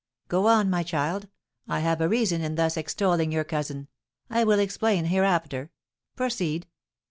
"Go on, my child. I have a reason in thus extolling your cousin I will explain hereafter. Proceed."